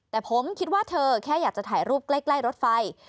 แต่ผมคิดว่าเธอแค่อยากจะถ่ายรูปใกล้รถไฟ